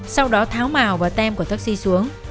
sau đó tháo màu và tem của taxi xuống